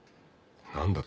何だと。